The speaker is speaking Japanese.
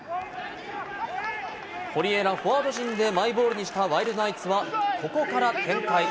堀江らフォワード人でマイボールにしたワイルドナイツは、ここから展開。